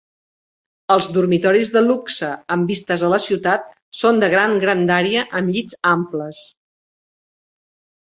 Els dormitoris de luxe amb vistes a la ciutat són de gran grandària amb llits amples.